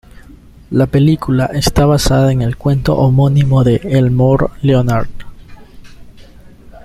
La película está basada en el cuento homónimo de Elmore Leonard.